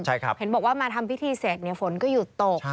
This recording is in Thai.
เห็นบอกว่ามาทำพิธีเสร็จฝนก็หยุดตก